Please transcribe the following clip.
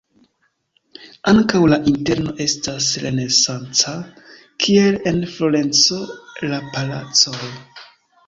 Ankaŭ la interno estas renesanca, kiel en Florenco la palacoj.